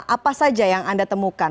apa saja yang anda temukan